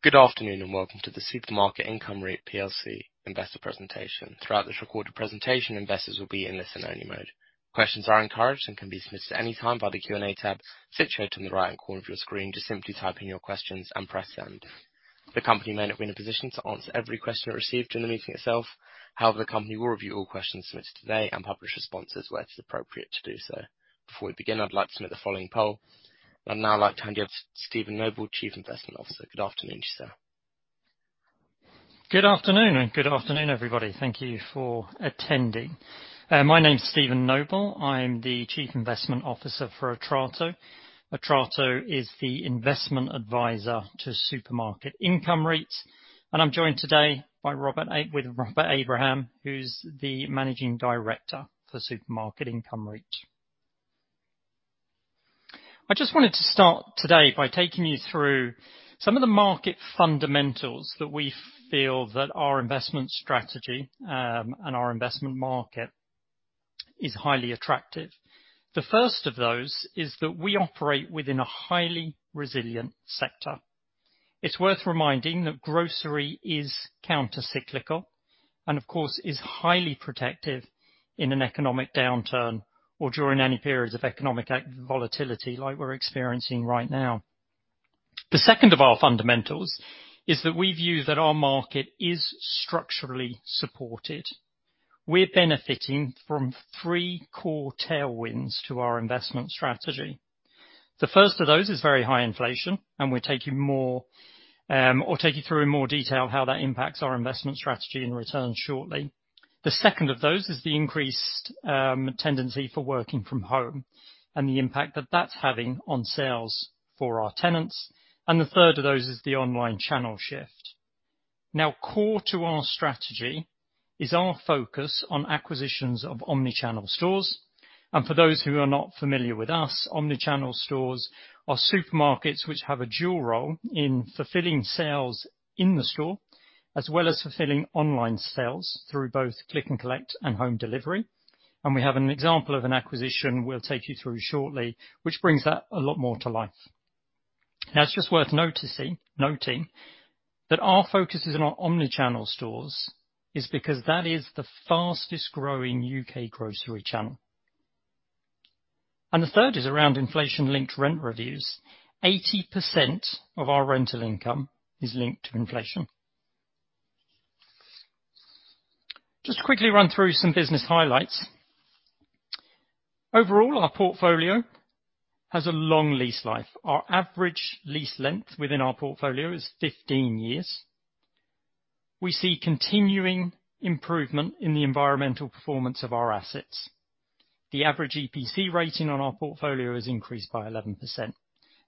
Good afternoon, and welcome to the Supermarket Income REIT plc Investor Presentation. Throughout this recorded presentation, investors will be in listen only mode. Questions are encouraged and can be submitted at any time by the Q&A tab situated in the right corner of your screen. Just simply type in your questions and press send. The company may not be in a position to answer every question received during the meeting itself. However, the company will review all questions submitted today and publish responses where it's appropriate to do so. Before we begin, I'd like to submit the following poll. I'd now like to hand you over to Steven Noble, Chief Investment Officer. Good afternoon to you, sir. Good afternoon. Good afternoon, everybody. Thank you for attending. My name is Steven Noble. I'm the Chief Investment Officer for Atrato. Atrato is the investment advisor to Supermarket Income REIT. I'm joined today with Rob Abraham, who's the Managing Director for Supermarket Income REIT. I just wanted to start today by taking you through some of the market fundamentals that we feel that our investment strategy, and our investment market is highly attractive. The first of those is that we operate within a highly resilient sector. It's worth reminding that grocery is counter-cyclical and of course is highly protective in an economic downturn or during any periods of economic volatility like we're experiencing right now. The second of our fundamentals is that we view that our market is structurally supported. We're benefiting from three core tailwinds to our investment strategy. The first of those is very high inflation, and I'll take you through in more detail how that impacts our investment strategy in return shortly. The second of those is the increased tendency for working from home and the impact that that's having on sales for our tenants. The third of those is the online channel shift. Now, core to our strategy is our focus on acquisitions of omni-channel stores. For those who are not familiar with us, omni-channel stores are supermarkets which have a dual role in fulfilling sales in the store, as well as fulfilling online sales through both click and collect and home delivery. We have an example of an acquisition we'll take you through shortly, which brings that a lot more to life. Now, it's just worth noting that our focus is on our omni-channel stores is because that is the fastest growing U.K. grocery channel. The third is around inflation-linked rent reviews. 80% of our rental income is linked to inflation. Just quickly run through some business highlights. Overall, our portfolio has a long lease life. Our average lease length within our portfolio is 15 years. We see continuing improvement in the environmental performance of our assets. The average EPC rating on our portfolio has increased by 11%,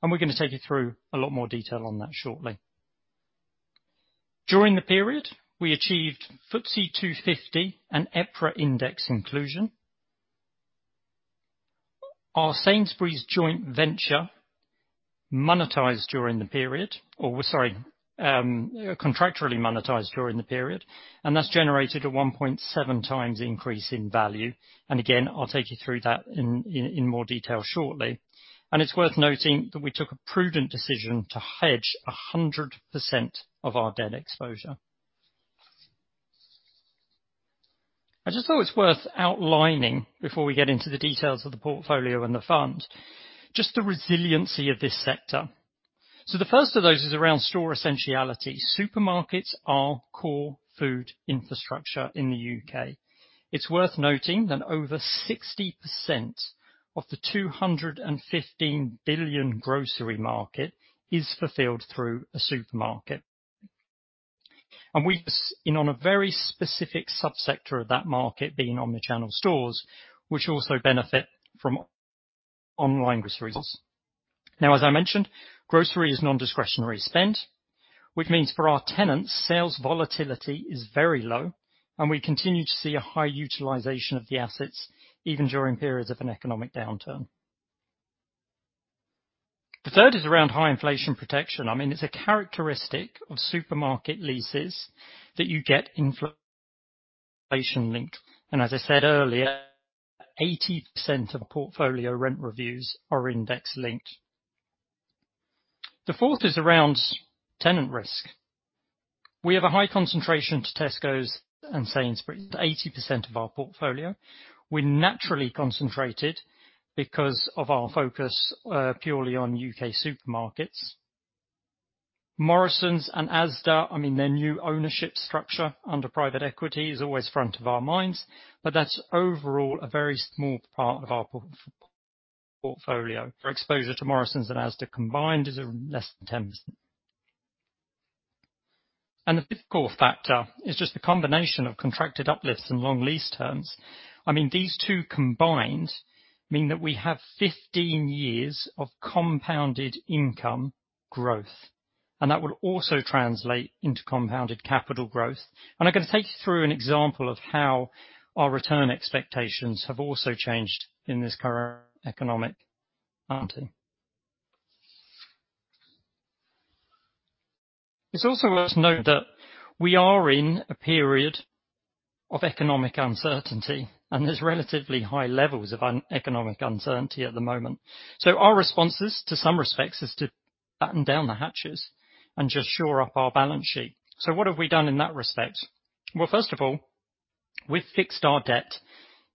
and we're going to take you through a lot more detail on that shortly. During the period, we achieved FTSE 250 and EPRA Index inclusion. Our Sainsbury's joint venture monetized during the period, or sorry, contractually monetized during the period, and that's generated a 1.7 times increase in value. Again, I'll take you through that in more detail shortly. It's worth noting that we took a prudent decision to hedge 100% of our debt exposure. I just thought it's worth outlining before we get into the details of the portfolio and the fund, just the resiliency of this sector. The first of those is around store essentiality. Supermarkets are core food infrastructure in the U.K. It's worth noting that over 60% of the 215 billion grocery market is fulfilled through a supermarket. We've seen on a very specific subsector of that market being omni-channel stores, which also benefit from online grocery results. As I mentioned, grocery is non-discretionary spend, which means for our tenants, sales volatility is very low and we continue to see a high utilization of the assets even during periods of an economic downturn. The third is around high inflation protection. I mean, it's a characteristic of supermarket leases that you get inflation link. As I said earlier, 80% of portfolio rent reviews are index-linked. The fourth is around tenant risk. We have a high concentration to Tesco's and Sainsbury's, 80% of our portfolio. We're naturally concentrated because of our focus purely on U.K. supermarkets. Morrisons and Asda, I mean, their new ownership structure under private equity is always front of our minds, but that's overall a very small part of our portfolio. For exposure to Morrisons and Asda combined is less than 10%. The fifth core factor is just the combination of contracted uplifts and long lease terms. I mean, these two combined mean that we have 15 years of compounded income growth, and that would also translate into compounded capital growth. I'm going to take you through an example of how our return expectations have also changed in this current economic climate. It's also worth noting that we are in a period of economic uncertainty, and there's relatively high levels of economic uncertainty at the moment. Our response is, in some respects, is to batten down the hatches and just shore up our balance sheet. What have we done in that respect? Well, first of all, we've fixed our debt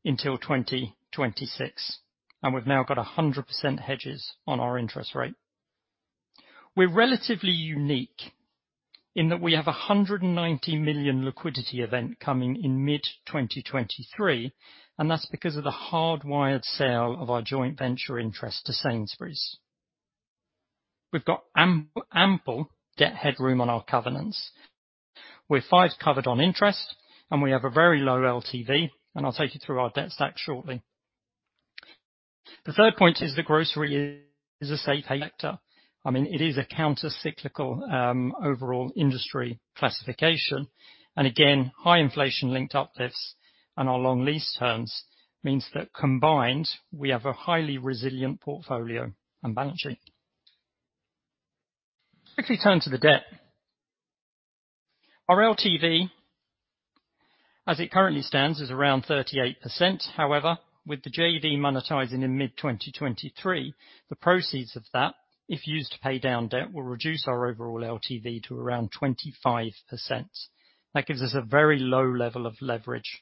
until 2026, and we've now got 100% hedges on our interest rate. We're relatively unique in that we have 190 million liquidity event coming in mid-2023, and that's because of the hardwired sale of our joint venture interest to Sainsbury's. We've got ample debt headroom on our covenants. We're 5-covered on interest, we have a very low LTV, and I'll take you through our debt stack shortly. The third point is that grocery is a safe sector. It is a counter-cyclical overall industry classification. Again, high inflation linked uplifts and our long lease terms means that combined, we have a highly resilient portfolio and balance sheet. Quickly turn to the debt. Our LTV, as it currently stands, is around 38%. However, with the JV monetizing in mid-2023, the proceeds of that, if used to pay down debt, will reduce our overall LTV to around 25%. That gives us a very low level of leverage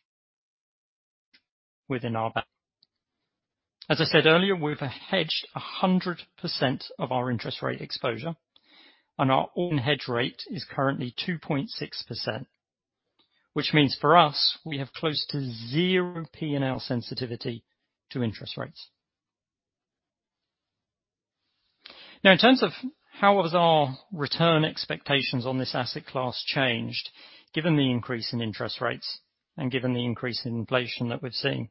within our bank. As I said earlier, we've hedged 100% of our interest rate exposure, and our own hedge rate is currently 2.6%, which means for us, we have close to zero P&L sensitivity to interest rates. In terms of how has our return expectations on this asset class changed given the increase in interest rates and given the increase in inflation that we've seen.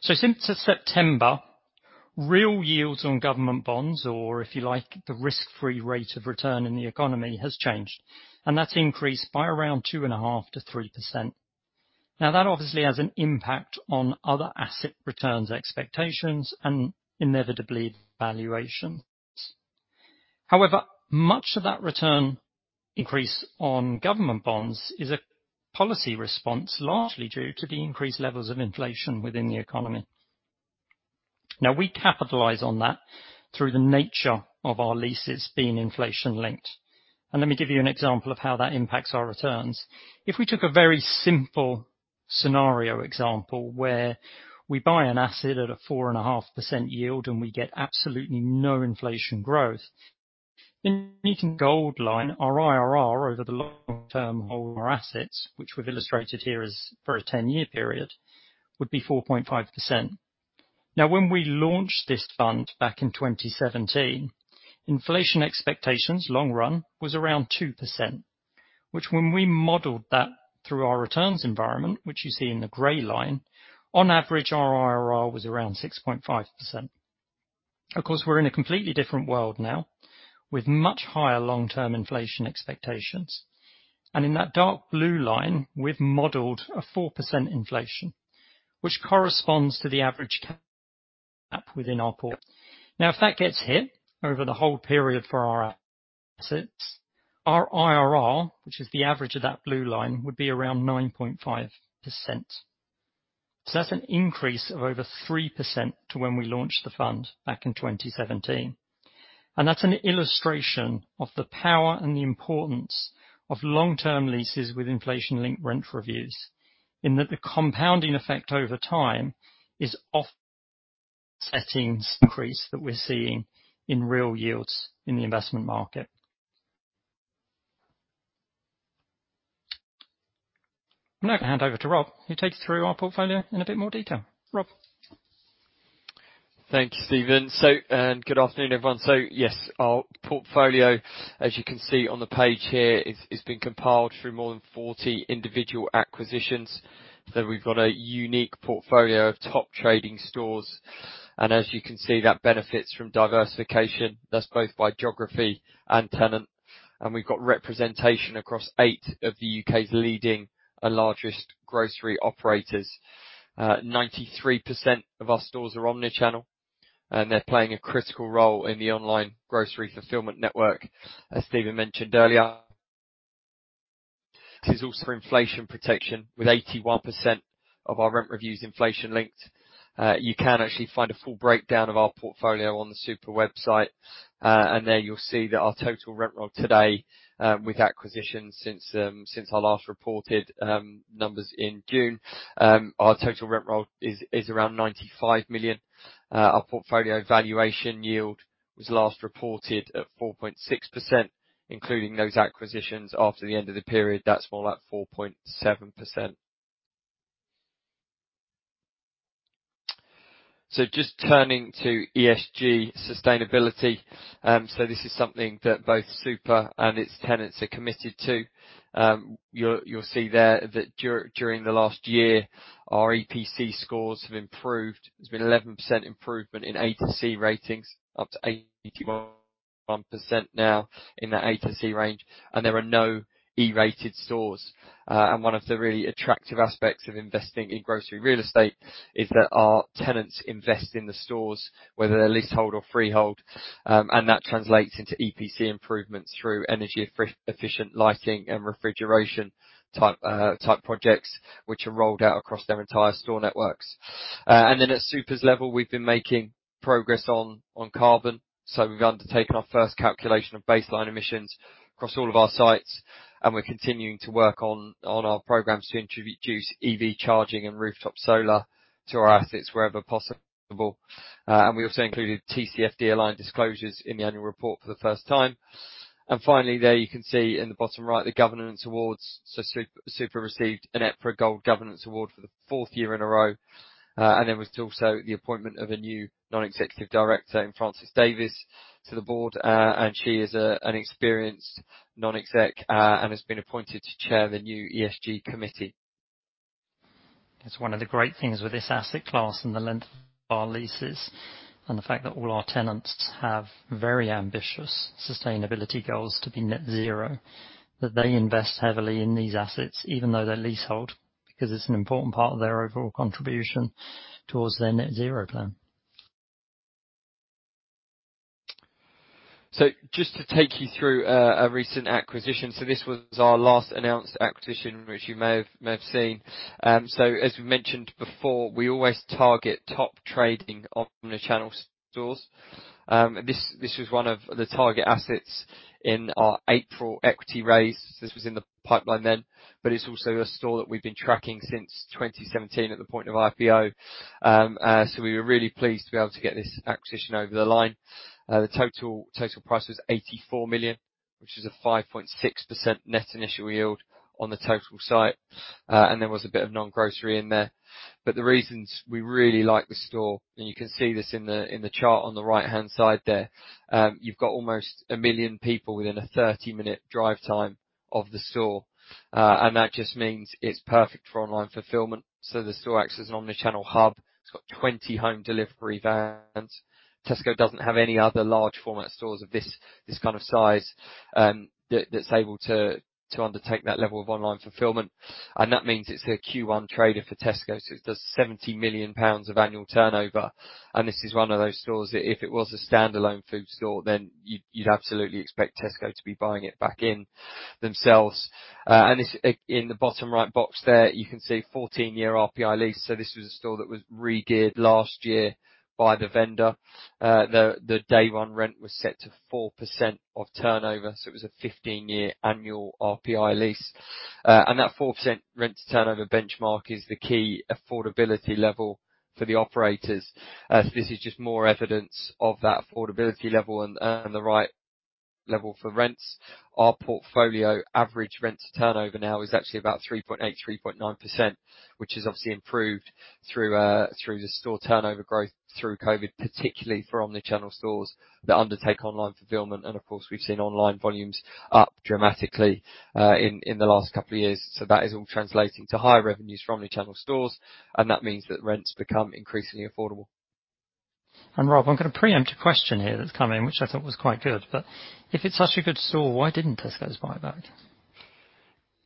Since September, real yields on government bonds or, if you like, the risk-free rate of return in the economy has changed, and that's increased by around 2.5%-3%. That obviously has an impact on other asset returns expectations, and inevitably valuations. However, much of that return increase on government bonds is a policy response, largely due to the increased levels of inflation within the economy. We capitalize on that through the nature of our leases being inflation-linked. Let me give you an example of how that impacts our returns. If we took a very simple scenario example where we buy an asset at a 4.5% yield and we get absolutely no inflation growth, then you can gold line our IRR over the long term hold our assets, which we've illustrated here as for a 10-year period, would be 4.5%. When we launched this fund back in 2017, inflation expectations long run was around 2%, which when we modeled that through our returns environment, which you see in the gray line, on average, our IRR was around 6.5%. Of course, we're in a completely different world now, with much higher long-term inflation expectations. In that dark blue line, we've modeled a 4% inflation, which corresponds to the average cap within our port. If that gets hit over the whole period for our assets, our IRR, which is the average of that blue line, would be around 9.5%. That's an increase of over 3% to when we launched the fund back in 2017. That's an illustration of the power and the importance of long-term leases with inflation-linked rent reviews, in that the compounding effect over time is offsetting this increase that we're seeing in real yields in the investment market. I'm now going to hand over to Rob, who'll take you through our portfolio in a bit more detail. Rob. Thank you, Steven. Good afternoon, everyone. Yes, our portfolio, as you can see on the page here, has been compiled through more than 40 individual acquisitions. We've got a unique portfolio of top trading stores. As you can see, that benefits from diversification, that's both by geography and tenant. We've got representation across eight of the U.K.'s leading and largest grocery operators. 93% of our stores are omni-channel, and they're playing a critical role in the online grocery fulfillment network. As Steven mentioned earlier, this is also inflation protection with 81% of our rent reviews inflation-linked. You can actually find a full breakdown of our portfolio on the Super website. There you'll see that our total rent roll today, with acquisitions since our last reported numbers in June, our total rent roll is around 95 million. Our portfolio valuation yield was last reported at 4.6%, including those acquisitions after the end of the period. That's more like 4.7%. Just turning to ESG sustainability. This is something that both Super and its tenants are committed to. You'll see there that during the last year, our EPC scores have improved. There's been 11% improvement in A to C ratings up to 81% now in the A to C range, and there are no E-rated stores. One of the really attractive aspects of investing in grocery real estate is that our tenants invest in the stores, whether they're leasehold or freehold, and that translates into EPC improvements through energy efficient lighting and refrigeration type projects, which are rolled out across their entire store networks. At Super's level, we've been making progress on carbon. We've undertaken our first calculation of baseline emissions across all of our sites, and we're continuing to work on our programs to introduce EV charging and rooftop solar to our assets wherever possible. We also included TCFD-aligned disclosures in the annual report for the first time. Finally, there you can see in the bottom right, the governance awards. Super received an EPRA Gold Governance award for the fourth year in a row. There was also the appointment of a new non-executive director in Frances Davies to the board. She is an experienced non-exec and has been appointed to chair the new ESG committee. It's one of the great things with this asset class and the length of our leases, and the fact that all our tenants have very ambitious sustainability goals to be net zero, that they invest heavily in these assets even though they're leasehold, because it's an important part of their overall contribution towards their net zero plan. Just to take you through a recent acquisition. This was our last announced acquisition, which you may have seen. As we mentioned before, we always target top trading omni-channel stores. This was one of the target assets in our April equity raise. This was in the pipeline then, but it's also a store that we've been tracking since 2017 at the point of IPO. We were really pleased to be able to get this acquisition over the line. The total price was 84 million, which is a 5.6% net initial yield on the total site. There was a bit of non-grocery in there. The reasons we really like the store, and you can see this in the chart on the right-hand side there, you've got almost 1 million people within a 30-minute drive time of the store. That just means it's perfect for online fulfillment. The store acts as an omni-channel hub. It's got 20 home delivery vans. Tesco doesn't have any other large format stores of this kind of size that's able to undertake that level of online fulfillment. That means it's their Q1 trader for Tesco. It does 70 million pounds of annual turnover. This is one of those stores that if it was a standalone food store, then you'd absolutely expect Tesco to be buying it back in themselves. In the bottom right box there, you can see 14-year RPI lease. This was a store that was regeared last year by the vendor. The day one rent was set to 4% of turnover, so it was a 15-year annual RPI lease. That 4% rent to turnover benchmark is the key affordability level for the operators. This is just more evidence of that affordability level and the right level for rents. Our portfolio average rent to turnover now is actually about 3.8%, 3.9%, which has obviously improved through the store turnover growth through COVID, particularly for omni-channel stores that undertake online fulfillment. Of course, we've seen online volumes up dramatically in the last couple of years. That is all translating to higher revenues from omni-channel stores, that means that rents become increasingly affordable. Rob, I'm going to preempt a question here that's come in, which I thought was quite good. If it's such a good store, why didn't Tesco buy it back?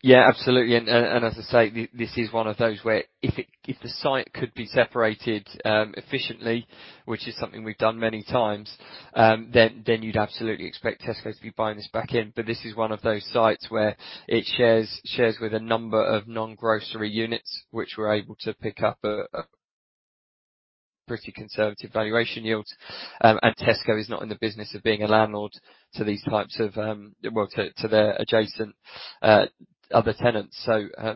Yeah, absolutely. As I say, this is one of those where if the site could be separated efficiently, which is something we've done many times, then you'd absolutely expect Tesco to be buying this back in. This is one of those sites where it shares with a number of non-grocery units which were able to pick up a pretty conservative valuation yield. Tesco is not in the business of being a landlord to these types of, well, to their adjacent other tenants.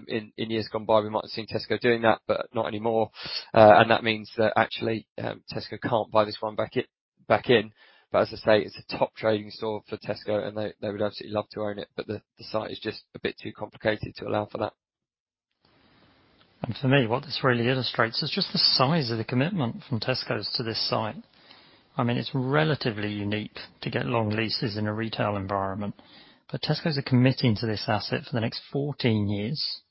In years gone by, we might have seen Tesco doing that, but not anymore. That means that actually Tesco can't buy this one back in. As I say, it's a top trading store for Tesco, and they would absolutely love to own it, but the site is just a bit too complicated to allow for that. For me, what this really illustrates is just the size of the commitment from Tesco to this site. It's relatively unique to get long leases in a retail environment, Tesco are committing to this asset for the next 14 years,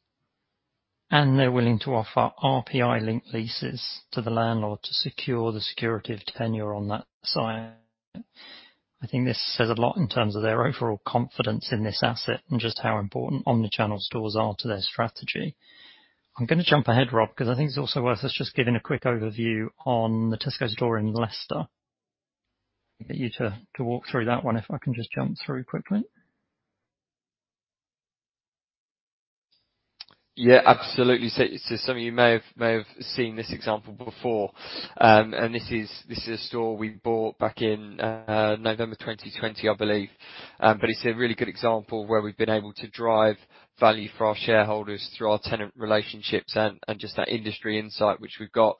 and they're willing to offer RPI-linked leases to the landlord to secure the security of tenure on that site. I think this says a lot in terms of their overall confidence in this asset and just how important omni-channel stores are to their strategy. I'm going to jump ahead, Rob, because I think it's also worth us just giving a quick overview on the Tesco store in Leicester. Get you to walk through that one, if I can just jump through quickly. Absolutely. Some of you may have seen this example before. This is a store we bought back in November 2020, I believe. It's a really good example where we've been able to drive value for our shareholders through our tenant relationships and just that industry insight which we've got.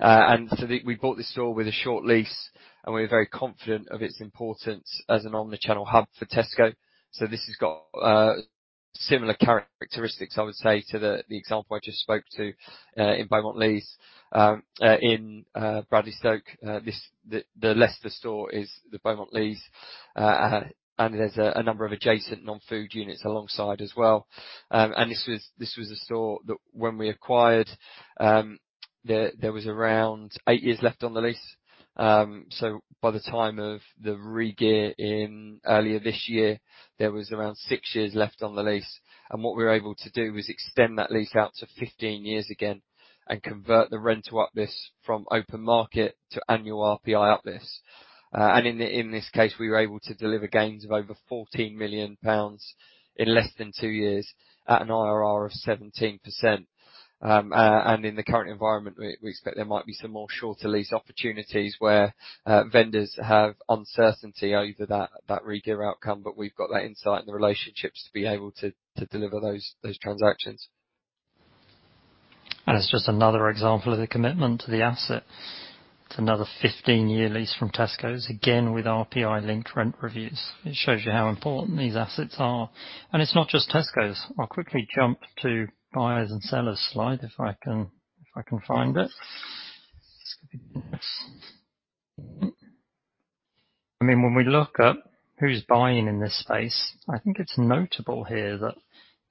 We bought this store with a short lease, and we were very confident of its importance as an omni-channel hub for Tesco. This has got similar characteristics, I would say, to the example I just spoke to in Beaumont Leys, in Bradley Stoke. The Leicester store is the Beaumont Leys, and there's a number of adjacent non-food units alongside as well. This was a store that when we acquired, there was around eight years left on the lease. By the time of the regear in earlier this year, there was around six years left on the lease, and what we were able to do was extend that lease out to 15 years again and convert the rent to uplifts from open market to annual RPI uplifts. In this case, we were able to deliver gains of over 14 million pounds in less than two years at an IRR of 17%. In the current environment, we expect there might be some more shorter lease opportunities where vendors have uncertainty over that regear outcome. We've got that insight and the relationships to be able to deliver those transactions. It's just another example of the commitment to the asset. It's another 15-year lease from Tesco, again with RPI-linked rent reviews. It shows you how important these assets are. It's not just Tesco. I'll quickly jump to buyers and sellers slide if I can find it. When we look up who's buying in this space, I think it's notable here that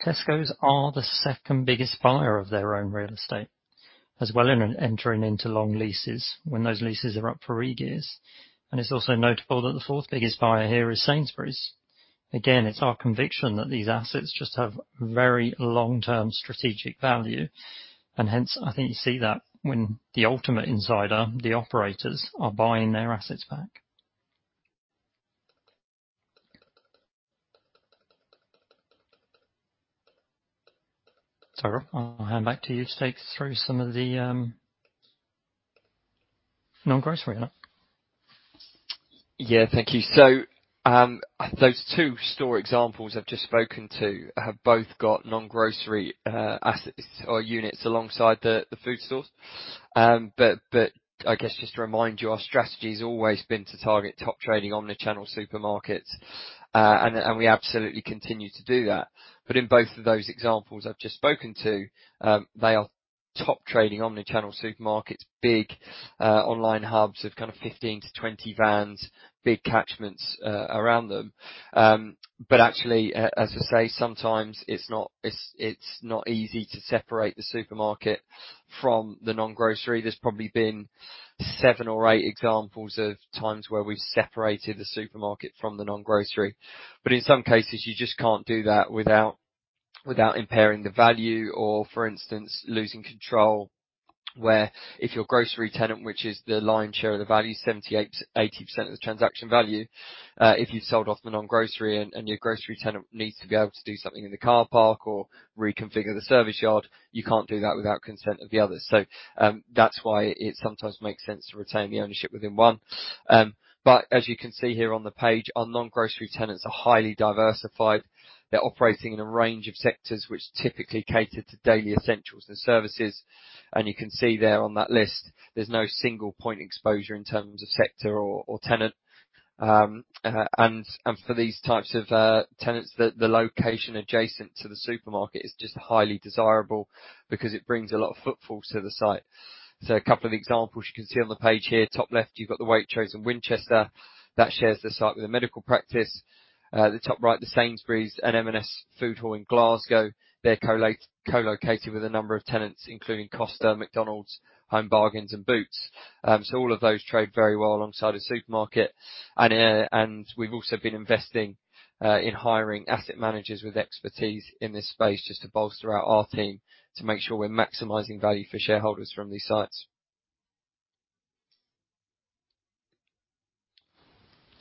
Tesco are the second biggest buyer of their own real estate, as well in entering into long leases when those leases are up for regears. It's also notable that the fourth biggest buyer here is Sainsbury's. Again, it's our conviction that these assets just have very long-term strategic value, and hence, I think you see that when the ultimate insider, the operators, are buying their assets back. Rob, I'll hand back to you to take us through some of the non-grocery now. Thank you. Those two store examples I've just spoken to have both got non-grocery assets or units alongside the food source. I guess just to remind you, our strategy's always been to target top trading omni-channel supermarkets, and we absolutely continue to do that. In both of those examples I've just spoken to, they are top trading omni-channel supermarkets, big online hubs of kind of 15 to 20 vans, big catchments around them. Actually, as I say, sometimes it's not easy to separate the supermarket from the non-grocery. There's probably been seven or eight examples of times where we've separated the supermarket from the non-grocery. In some cases, you just can't do that without impairing the value or, for instance, losing control where if your grocery tenant, which is the lion's share of the value, 78%, 80% of the transaction value, if you sold off the non-grocery and your grocery tenant needs to be able to do something in the car park or reconfigure the service yard, you can't do that without consent of the other. That's why it sometimes makes sense to retain the ownership within one. As you can see here on the page, our non-grocery tenants are highly diversified. They're operating in a range of sectors which typically cater to daily essentials and services. You can see there on that list, there's no single point exposure in terms of sector or tenant. For these types of tenants, the location adjacent to the supermarket is just highly desirable because it brings a lot of footfall to the site. A couple of examples you can see on the page here. Top left, you've got the Waitrose in Winchester. That shares the site with a medical practice. At the top right, the Sainsbury's and M&S food hall in Glasgow. They're co-located with a number of tenants, including Costa, McDonald's, Home Bargains and Boots. All of those trade very well alongside a supermarket. We've also been investing in hiring asset managers with expertise in this space just to bolster out our team to make sure we're maximizing value for shareholders from these sites.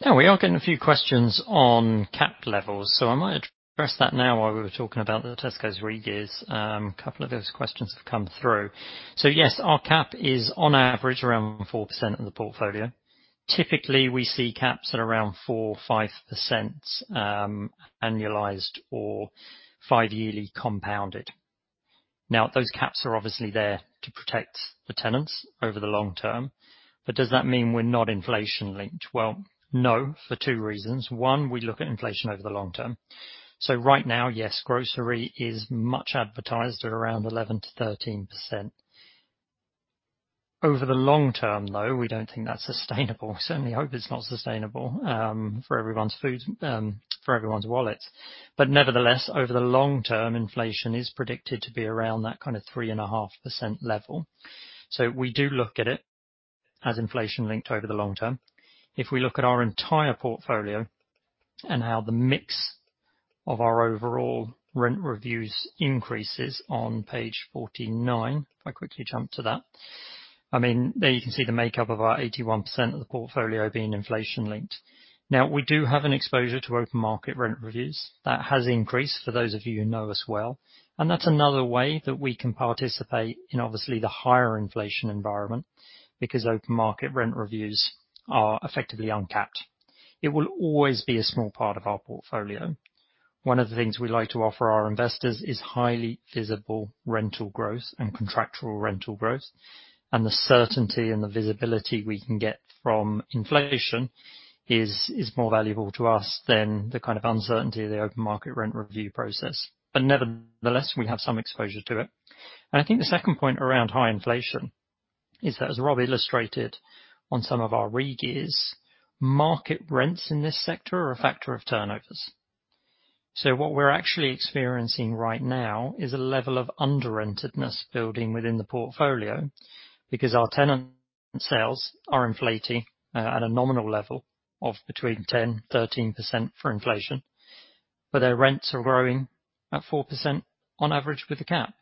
We are getting a few questions on cap levels. I might address that now while we were talking about the Tesco's regears. A couple of those questions have come through. Yes, our cap is on average around 4% of the portfolio. Typically, we see caps at around 4% or 5% annualized or five yearly compounded. Those caps are obviously there to protect the tenants over the long term. Does that mean we're not inflation-linked? Well, no, for two reasons. One, we look at inflation over the long term. Right now, yes, grocery is much advertised at around 11%-13%. Over the long term, though, we don't think that's sustainable. Certainly hope it's not sustainable for everyone's wallets. Nevertheless, over the long term, inflation is predicted to be around that kind of 3.5% level. We do look at it as inflation linked over the long term. If we look at our entire portfolio and how the mix of our overall rent reviews increases on page 49, if I quickly jump to that. There, you can see the makeup of our 81% of the portfolio being inflation linked. We do have an exposure to open market rent reviews. That has increased for those of you who know us well. That's another way that we can participate in obviously the higher inflation environment, because open market rent reviews are effectively uncapped. It will always be a small part of our portfolio. One of the things we like to offer our investors is highly visible rental growth and contractual rental growth, and the certainty and the visibility we can get from inflation is more valuable to us than the kind of uncertainty of the open market rent review process. Nevertheless, we have some exposure to it. I think the second point around high inflation is that, as Rob illustrated on some of our regears, market rents in this sector are a factor of turnovers. What we're actually experiencing right now is a level of under-rentedness building within the portfolio because our tenant sales are inflating at a nominal level of between 10%-13% for inflation, but their rents are growing at 4% on average with a cap.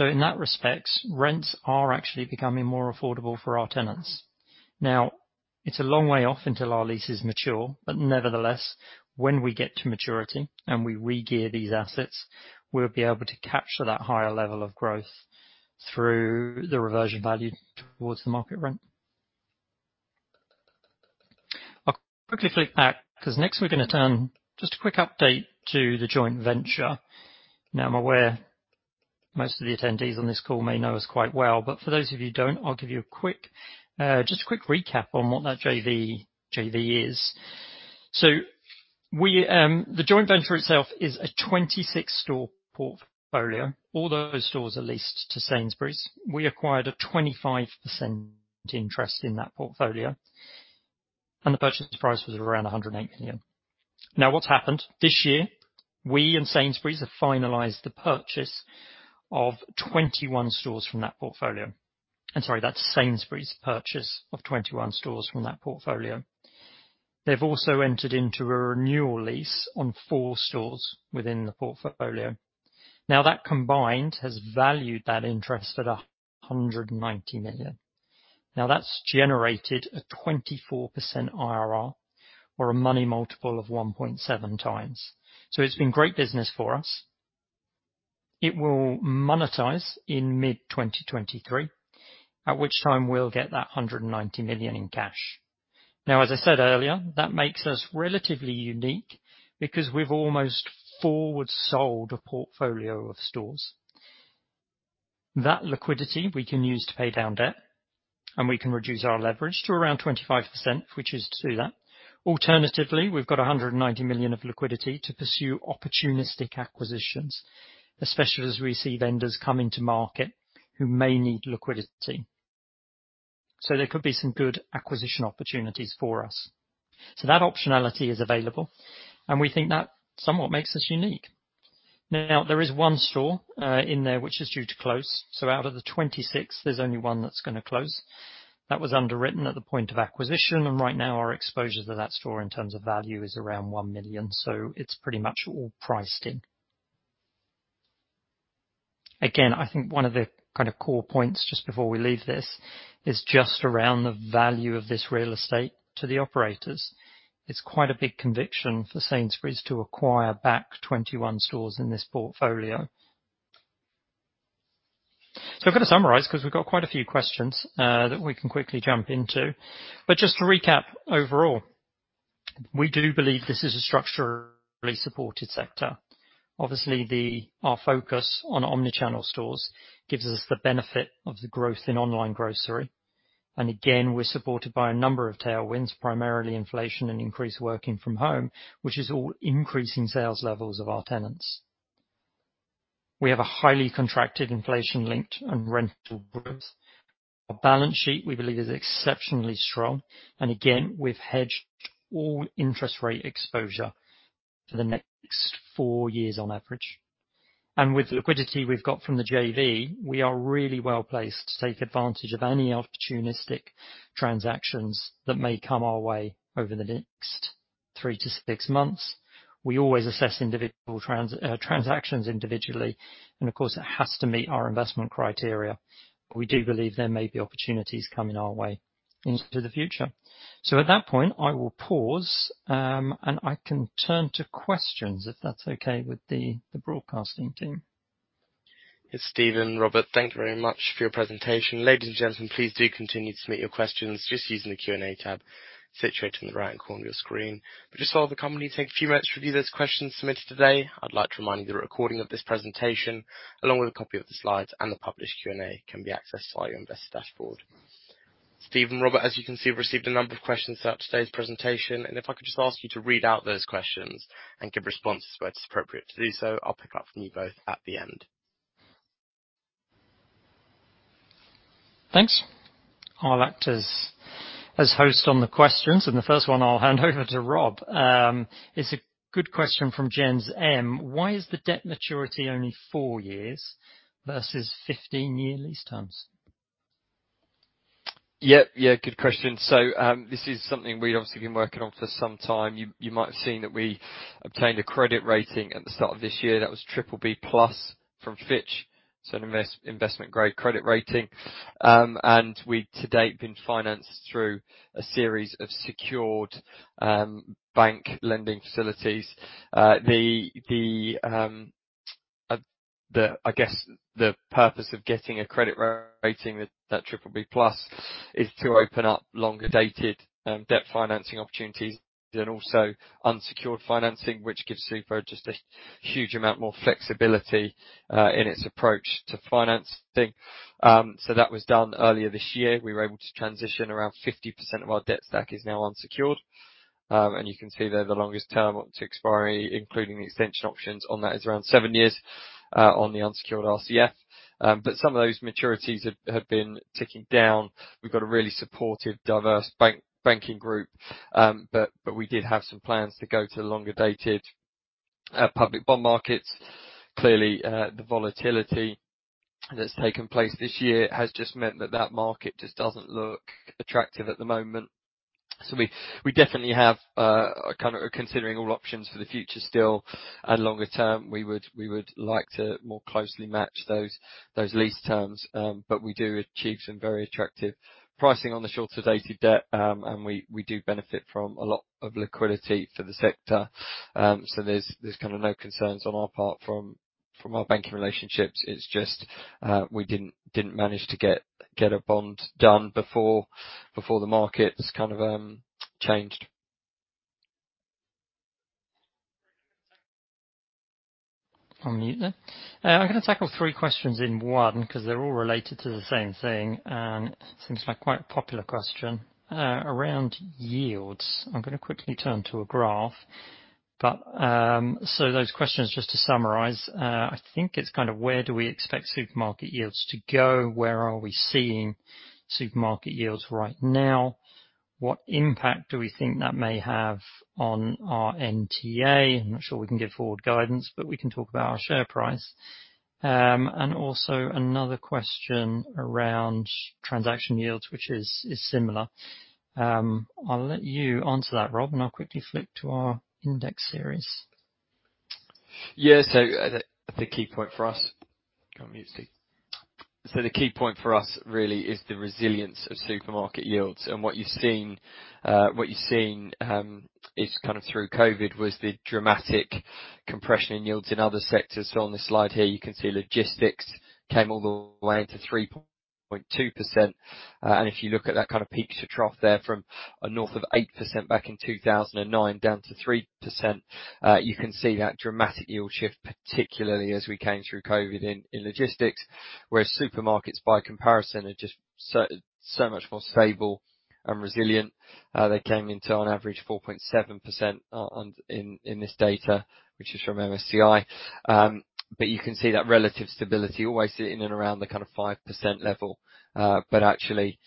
In that respect, rents are actually becoming more affordable for our tenants. It's a long way off until our leases mature, but nevertheless, when we get to maturity and we regear these assets, we'll be able to capture that higher level of growth through the reversion value towards the market rent. I'll quickly flick back because next we're going to turn just a quick update to the joint venture. I'm aware most of the attendees on this call may know us quite well, but for those of you who don't, I'll give just a quick recap on what that JV is. The joint venture itself is a 26-store portfolio. All those stores are leased to Sainsbury's. We acquired a 25% interest in that portfolio, and the purchase price was around 108 million. What's happened? This year, we and Sainsbury's have finalized the purchase of 21 stores from that portfolio. I'm sorry, that's Sainsbury's purchase of 21 stores from that portfolio. They've also entered into a renewal lease on four stores within the portfolio. That combined has valued that interest at 190 million. That's generated a 24% IRR or a money multiple of 1.7 times. It's been great business for us. It will monetize in mid-2023, at which time we'll get that 190 million in cash. As I said earlier, that makes us relatively unique because we've almost forward sold a portfolio of stores. That liquidity we can use to pay down debt, and we can reduce our leverage to around 25%, which is to do that. Alternatively, we've got 190 million of liquidity to pursue opportunistic acquisitions, especially as we see vendors come into market who may need liquidity. There could be some good acquisition opportunities for us. That optionality is available, and we think that somewhat makes us unique. There is one store in there which is due to close. Out of the 26, there is only one that is going to close. That was underwritten at the point of acquisition, and right now our exposure to that store in terms of value is around 1 million, so it is pretty much all priced in. Again, I think one of the core points just before we leave this is just around the value of this real estate to the operators. It is quite a big conviction for Sainsbury's to acquire back 21 stores in this portfolio. I have got to summarize because we have got quite a few questions that we can quickly jump into. Just to recap, overall, we do believe this is a structurally supported sector. Obviously, our focus on omni-channel stores gives us the benefit of the growth in online grocery. Again, we are supported by a number of tailwinds, primarily inflation and increased working from home, which is all increasing sales levels of our tenants. We have a highly contracted inflation linked and rental growth. Our balance sheet, we believe, is exceptionally strong. Again, we have hedged all interest rate exposure for the next four years on average. With the liquidity we have got from the JV, we are really well-placed to take advantage of any opportunistic transactions that may come our way over the next three to six months. We always assess transactions individually, and of course, it has to meet our investment criteria. We do believe there may be opportunities coming our way into the future. At that point, I will pause, and I can turn to questions if that is okay with the broadcasting team. It is Steven. Robert, thank you very much for your presentation. Ladies and gentlemen, please do continue to submit your questions just using the Q&A tab situated in the right corner of your screen. Just while the company take a few minutes to review those questions submitted today, I would like to remind you the recording of this presentation, along with a copy of the slides and the published Q&A, can be accessed via your investor dashboard. Steven and Robert, as you can see, we have received a number of questions throughout today's presentation, and if I could just ask you to read out those questions and give responses where it is appropriate to do so. I will pick up from you both at the end. Thanks. I'll act as host on the questions. The first one I'll hand over to Rob. It's a good question from Jens M. Why is the debt maturity only 4 years versus 15-year lease terms? Yeah. Good question. This is something we've obviously been working on for some time. You might have seen that we obtained a credit rating at the start of this year. That was triple B plus from Fitch, an investment grade credit rating. We, to date, been financed through a series of secured bank lending facilities. I guess the purpose of getting a credit rating, that triple B plus, is to open up longer-dated debt financing opportunities and also unsecured financing, which gives SUPER just a huge amount more flexibility in its approach to financing. That was done earlier this year. We were able to transition around 50% of our debt stack is now unsecured. You can see there the longest term up to expiry, including the extension options on that is around 7 years, on the unsecured RCF. Some of those maturities have been ticking down. We've got a really supportive, diverse banking group. We did have some plans to go to longer dated public bond markets. Clearly, the volatility that's taken place this year has just meant that that market just doesn't look attractive at the moment. We definitely are considering all options for the future still, and longer term, we would like to more closely match those lease terms. We do achieve some very attractive pricing on the shorter dated debt. We do benefit from a lot of liquidity for the sector. There's no concerns on our part from our banking relationships. It's just, we didn't manage to get a bond done before the markets changed. On mute there. I'm going to tackle 3 questions in one because they're all related to the same thing. It seems like quite a popular question, around yields. I'm going to quickly turn to a graph. Those questions just to summarize, I think it's kind of where do we expect supermarket yields to go? Where are we seeing supermarket yields right now? What impact do we think that may have on our NTA? I'm not sure we can give forward guidance. We can talk about our share price. Also another question around transaction yields, which is similar. I'll let you answer that, Rob. I'll quickly flip to our index series. Yeah. The key point for us Can't mute this. The key point for us really is the resilience of supermarket yields. What you're seeing, is kind of through COVID, was the dramatic compression in yields in other sectors. On this slide here, you can see logistics came all the way to 3.2%. If you look at that kind of peak to trough there from a north of 8% back in 2009 down to 3%, you can see that dramatic yield shift, particularly as we came through COVID in logistics, whereas supermarkets by comparison are just so much more stable and resilient. They came into on average 4.7% in this data, which is from MSCI. You can see that relative stability always sitting in and around the 5% level. Actually,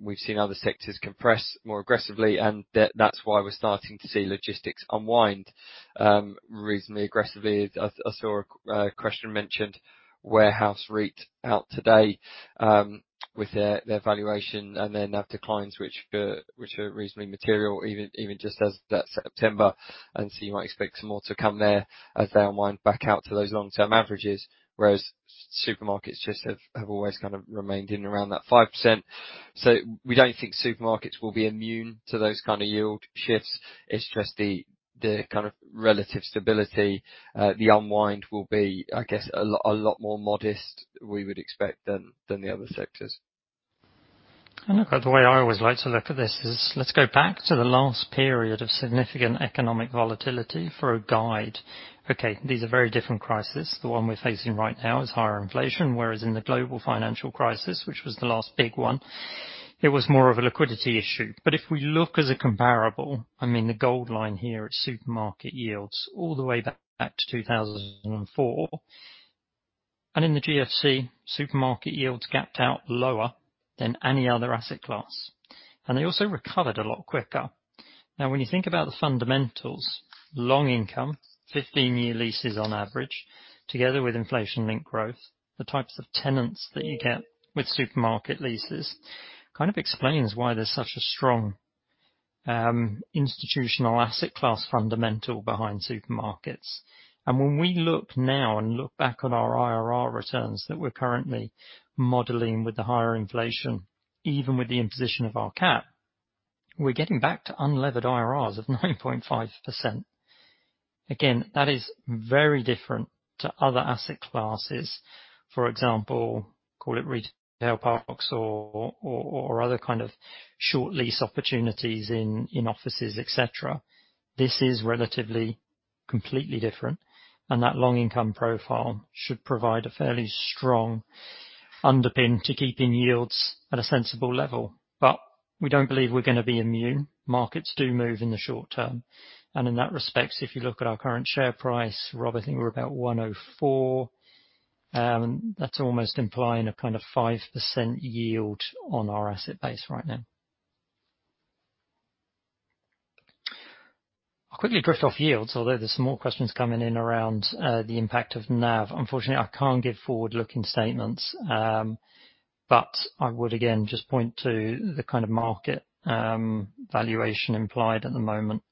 we've seen other sectors compress more aggressively, and that's why we're starting to see logistics unwind reasonably aggressively. I saw a question mentioned Warehouse REIT out today, with their valuation and their NAV declines, which are reasonably material, even just as that September, you might expect some more to come there as they unwind back out to those long-term averages, whereas supermarkets just have always kind of remained in and around that 5%. We don't think supermarkets will be immune to those kind of yield shifts. It's just the relative stability, the unwind will be, I guess, a lot more modest, we would expect, than the other sectors. Look, the way I always like to look at this is let's go back to the last period of significant economic volatility for a guide. Okay, these are very different crises. The one we're facing right now is higher inflation, whereas in the global financial crisis, which was the last big one, it was more of a liquidity issue. If we look as a comparable, I mean, the gold line here at supermarket yields all the way back to 2004. In the GFC, supermarket yields gapped out lower than any other asset class. They also recovered a lot quicker. When you think about the fundamentals, long income, 15-year leases on average, together with inflation-linked growth, the types of tenants that you get with supermarket leases, kind of explains why there's such a strong institutional asset class fundamental behind supermarkets. When we look now and look back on our IRR returns that we're currently modeling with the higher inflation, even with the imposition of our cap, we're getting back to unlevered IRRs of 9.5%. Again, that is very different to other asset classes. For example, call it retail parks or other kind of short lease opportunities in offices, et cetera. This is relatively completely different, and that long income profile should provide a fairly strong underpin to keeping yields at a sensible level. We don't believe we're going to be immune. Markets do move in the short term. In that respect, if you look at our current share price, Rob, I think we're about 104. That's almost implying a 5% yield on our asset base right now. I quickly drift off yields, although there's some more questions coming in around the impact of NAV. Unfortunately, I can't give forward-looking statements, but I would again just point to the kind of market valuation implied at the moment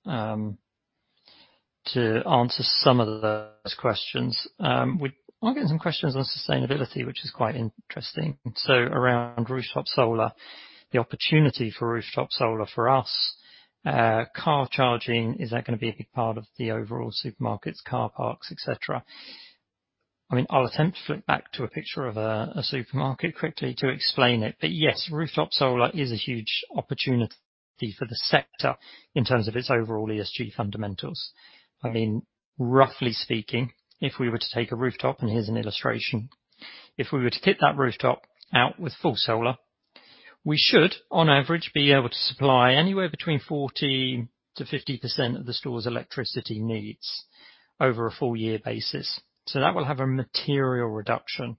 to answer some of those questions. I'm getting some questions on sustainability, which is quite interesting. Around rooftop solar, the opportunity for rooftop solar for us, car charging, is that going to be a big part of the overall supermarkets, car parks, et cetera? I mean, I'll attempt to flip back to a picture of a supermarket quickly to explain it. Yes, rooftop solar is a huge opportunity for the sector in terms of its overall ESG fundamentals. I mean, roughly speaking, if we were to take a rooftop, and here's an illustration. If we were to fit that rooftop out with full solar, we should, on average, be able to supply anywhere between 40%-50% of the store's electricity needs over a full year basis. That will have a material reduction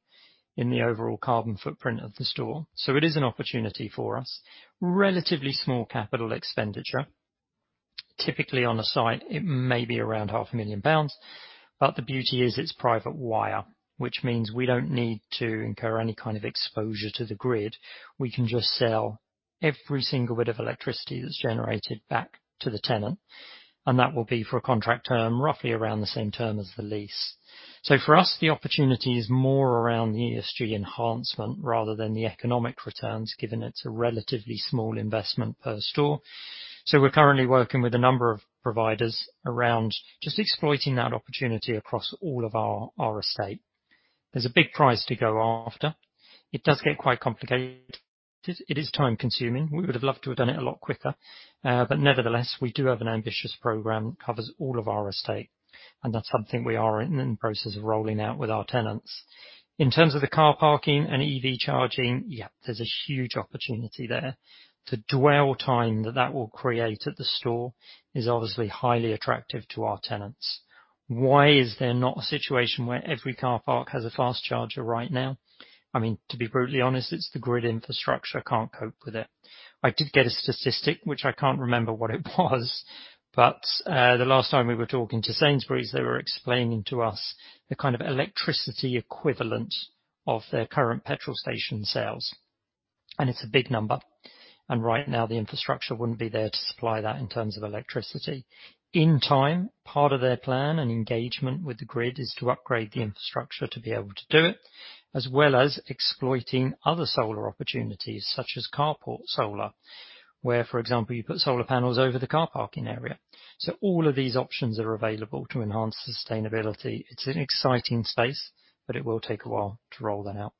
in the overall carbon footprint of the store. It is an opportunity for us. Relatively small capital expenditure. Typically, on a site, it may be around half a million GBP, the beauty is it's private wire, which means we don't need to incur any kind of exposure to the grid. We can just sell every single bit of electricity that's generated back to the tenant, and that will be for a contract term, roughly around the same term as the lease. For us, the opportunity is more around the ESG enhancement rather than the economic returns, given it's a relatively small investment per store. We're currently working with a number of providers around just exploiting that opportunity across all of our estate. There's a big prize to go after. It does get quite complicated. It is time-consuming. We would have loved to have done it a lot quicker. Nevertheless, we do have an ambitious program that covers all of our estate, and that's something we are in the process of rolling out with our tenants. In terms of the car parking and EV charging, there's a huge opportunity there. The dwell time that that will create at the store is obviously highly attractive to our tenants. Why is there not a situation where every car park has a fast charger right now? To be brutally honest, it's the grid infrastructure can't cope with it. I did get a statistic, which I can't remember what it was, the last time we were talking to Sainsbury's, they were explaining to us the kind of electricity equivalent of their current petrol station sales, and it's a big number. Right now, the infrastructure wouldn't be there to supply that in terms of electricity. In time, part of their plan and engagement with the grid is to upgrade the infrastructure to be able to do it, as well as exploiting other solar opportunities, such as carport solar, where, for example, you put solar panels over the car parking area. All of these options are available to enhance sustainability. It's an exciting space, it will take a while to roll that out.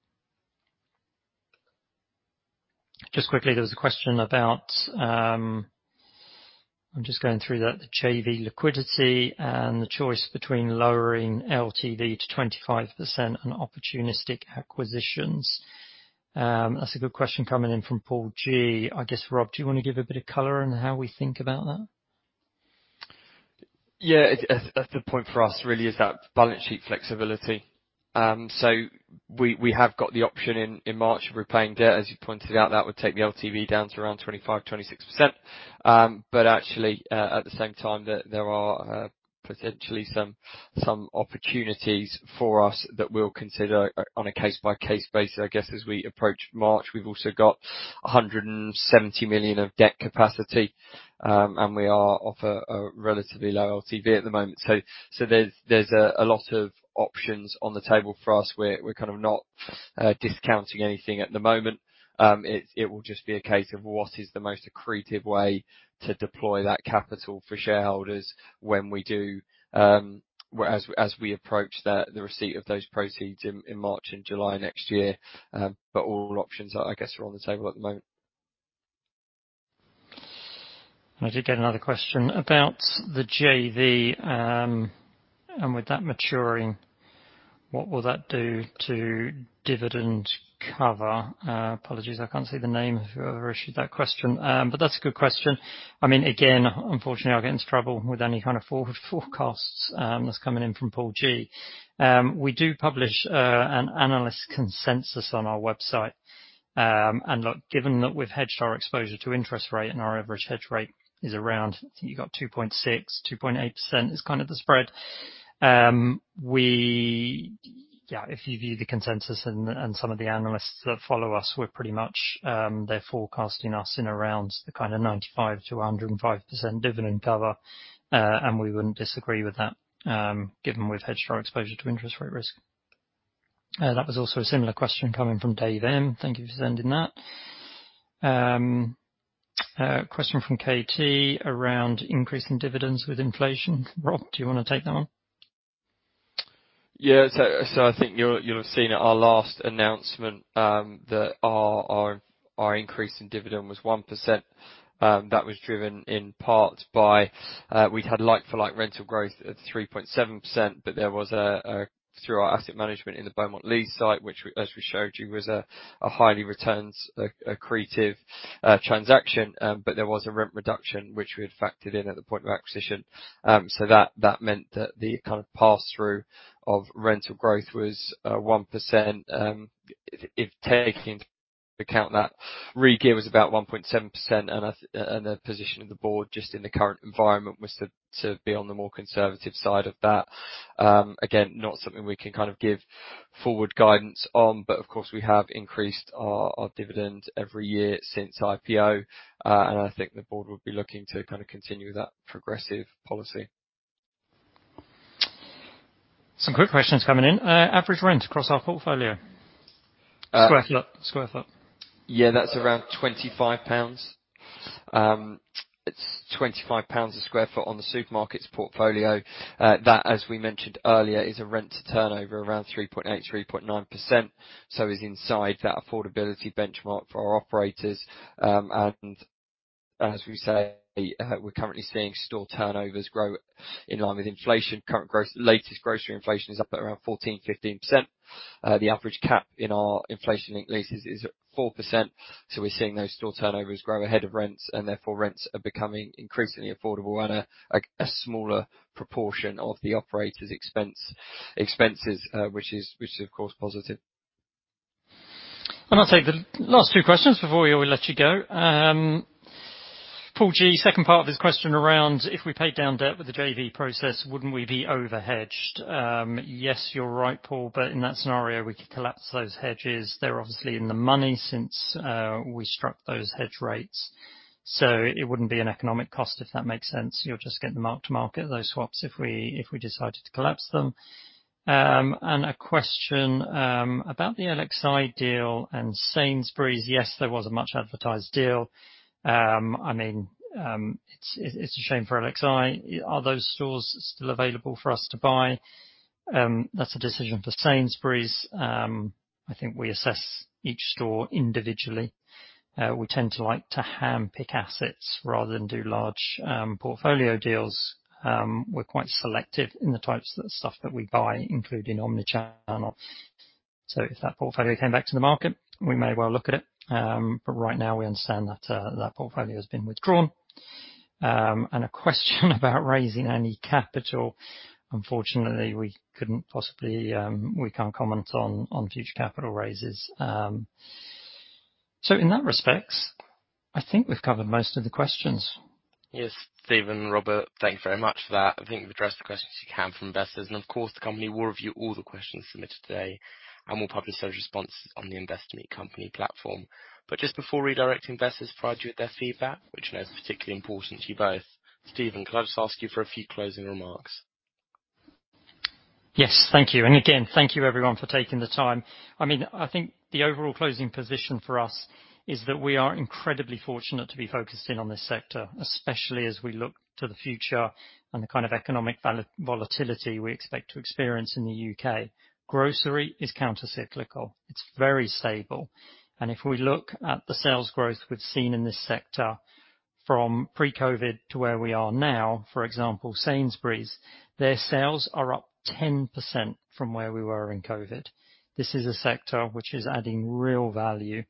Just quickly, there was a question about, I am just going through that, the JV liquidity and the choice between lowering LTV to 25% and opportunistic acquisitions. That is a good question coming in from Paul G. I guess, Rob, do you want to give a bit of color on how we think about that? Yeah. The point for us really is that balance sheet flexibility. We have got the option in March of repaying debt, as you pointed out. That would take the LTV down to around 25%-26%. Actually, at the same time, there are potentially some opportunities for us that we will consider on a case-by-case basis, I guess, as we approach March. We have also got 170 million of debt capacity, and we are of a relatively low LTV at the moment. There is a lot of options on the table for us. We are kind of not discounting anything at the moment. It will just be a case of what is the most accretive way to deploy that capital for shareholders as we approach the receipt of those proceeds in March and July next year. All options, I guess, are on the table at the moment. I did get another question about the JV, with that maturing, what will that do to dividend cover? Apologies, I cannot see the name of whoever issued that question. That is a good question. Again, unfortunately, I will get into trouble with any kind of forward forecasts. That is coming in from Paul G. We do publish an analyst consensus on our website. Look, given that we have hedged our exposure to interest rate and our average hedge rate is around, I think you got 2.6%-2.8%, is kind of the spread. If you view the consensus and some of the analysts that follow us, we are pretty much, they are forecasting us in around the 95%-105% dividend cover, and we would not disagree with that, given we have hedged our exposure to interest rate risk. That was also a similar question coming from Dave M. Thank you for sending that. A question from KT around increasing dividends with inflation. Rob, do you want to take that one? I think you'll have seen at our last announcement, that our increase in dividend was 1%. That was driven in part by, we'd had like-for-like rental growth at 3.7%, there was through our asset management in the Beaumont Leys site, which as we showed you, was a highly accretive transaction. There was a rent reduction, which we had factored in at the point of acquisition. That meant that the pass-through of rental growth was 1%. If taking into account that regear was about 1.7%, and the position of the board just in the current environment was to be on the more conservative side of that. Again, not something we can give forward guidance on, but of course, we have increased our dividend every year since IPO. I think the board will be looking to continue with that progressive policy. Some quick questions coming in. Average rent across our portfolio. Square foot. That's around 25 pounds. It's 25 pounds a sq ft on the supermarkets portfolio. That, as we mentioned earlier, is a rent to turnover around 3.8%, 3.9%, is inside that affordability benchmark for our operators. As we say, we're currently seeing store turnovers grow in line with inflation. Latest grocery inflation is up at around 14%-15%. The average cap in our inflation link leases is at 4%. We're seeing those store turnovers grow ahead of rents, and therefore rents are becoming increasingly affordable at a smaller proportion of the operator's expenses, which is of course positive. I'll take the last two questions before we will let you go. Paul G, second part of his question around, if we paid down debt with the JV process, wouldn't we be overhedged? Yes, you're right, Paul, but in that scenario, we could collapse those hedges. They're obviously in the money since we struck those hedge rates, so it wouldn't be an economic cost, if that makes sense. You'll just get the mark to market, those swaps, if we decided to collapse them. A question about the LXi deal and Sainsbury's. Yes, there was a much-advertised deal. It's a shame for LXi. Are those stores still available for us to buy? That's a decision for Sainsbury's. I think we assess each store individually. We tend to like to handpick assets rather than do large portfolio deals. We're quite selective in the types of stuff that we buy, including omni-channel. If that portfolio came back to the market, we may well look at it. Right now, we understand that that portfolio has been withdrawn. A question about raising any capital. Unfortunately, we couldn't possibly comment on future capital raises. In that respect, I think we've covered most of the questions. Yes. Steven, Rob, thank you very much for that. I think you've addressed the questions you can from investors, and of course, the company will review all the questions submitted today, and will publish those responses on the InvestorMeetCompany platform. Just before redirecting investors to provide you with their feedback, which I know is particularly important to you both, Steven, could I just ask you for a few closing remarks? Yes. Thank you. Again, thank you everyone for taking the time. I think the overall closing position for us is that we are incredibly fortunate to be focused in on this sector, especially as we look to the future and the kind of economic volatility we expect to experience in the U.K. Grocery is countercyclical, it's very stable. If we look at the sales growth we've seen in this sector from pre-COVID to where we are now, for example, Sainsbury's, their sales are up 10% from where we were in COVID. This is a sector which is adding real value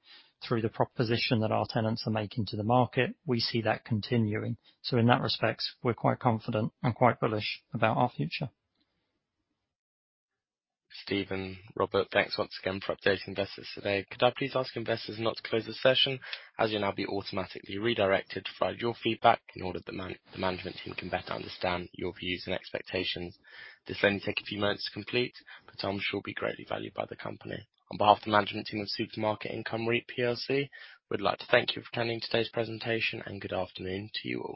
through the proposition that our tenants are making to the market. We see that continuing. In that respect, we're quite confident and quite bullish about our future. Steven, Rob, thanks once again for updating investors today. Could I please ask investors not to close the session, as you'll now be automatically redirected to provide your feedback in order the management team can better understand your views and expectations. This will only take a few moments to complete, but I'm sure will be greatly valued by the company. On behalf of the management team of Supermarket Income REIT plc, we'd like to thank you for attending today's presentation. Good afternoon to you all